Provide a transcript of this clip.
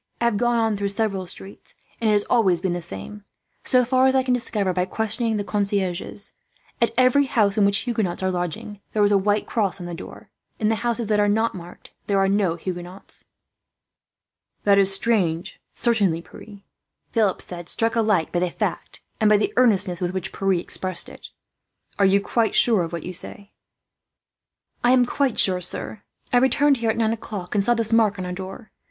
I have gone on through several streets, and it has always been the same so far as I can discover by questioning the concierges at every house in which Huguenots are lodging, there is a white cross on the door. In the houses that are not so marked, there are no Huguenots." "That is strange, certainly, Pierre," Philip said, struck alike by the fact and by the earnestness with which Pierre expressed it. "Are you quite sure of what you say?" "I am quite sure, sir. I returned here at nine o'clock, and saw this mark on our door.